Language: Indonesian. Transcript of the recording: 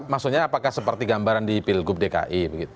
maksudnya apakah seperti gambaran di pilgub dki